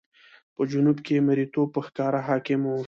په جنوب کې مریتوب په ښکاره حاکم و.